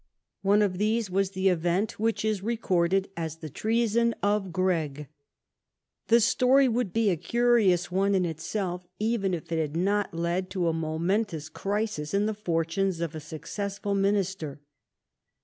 One of these was the event which is recorded as the treason of Gregg. The story would be a curious one in itself even if it had not led to a momentous crisis in the fortunes of a success* ful minister.